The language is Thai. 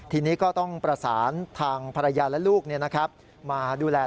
ทีนี้ก็ต้องประสานทางภรรยาและลูกมาดูแล